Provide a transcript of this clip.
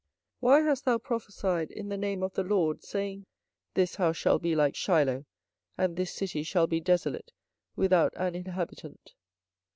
24:026:009 Why hast thou prophesied in the name of the LORD, saying, This house shall be like Shiloh, and this city shall be desolate without an inhabitant?